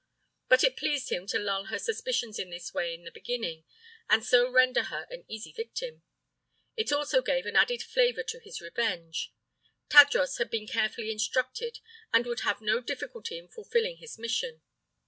But it pleased him to lull her suspicions in this way in the beginning, and so render her an easy victim. It also gave an added flavor to his revenge. Tadros had been carefully instructed, and would have no difficulty in fulfilling his mission.